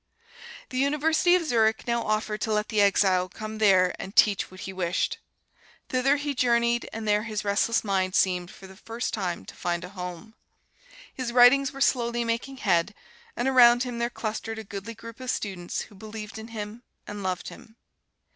The University of Zurich now offered to let the exile come there and teach what he wished. Thither he journeyed and there his restless mind seemed for the first time to find a home. His writings were slowly making head, and around him there clustered a goodly group of students who believed in him and loved him.